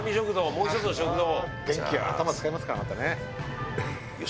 もう１つの食堂？